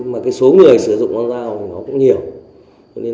mà cái số người sử dụng con dao thì nó cũng nhiều